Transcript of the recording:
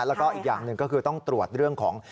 แล้วก็อีกอย่างหนึ่งก็คือต้องตรวจเรื่องของ